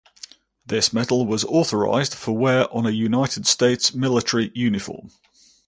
This medal was authorized for wear on a United States military uniform.